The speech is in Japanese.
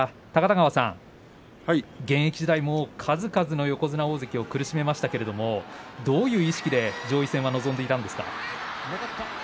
現役時代も数々の横綱大関を苦しめましたけれどどういう意識で上位戦は臨んでいたんですか。